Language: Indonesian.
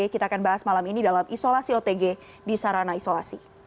kita akan bahas malam ini dalam isolasi otg di sarana isolasi